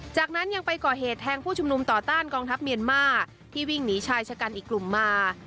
จากนั้นยังไปก่อเหตุแทงผู้ชุมนุมต่อต้านกองทัพเมียนมาที่วิ่งหนีชายชะกันอีกกลุ่มมา